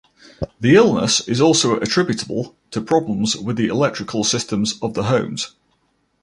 The illness is also attributable to problems with the electrical systems of the homes.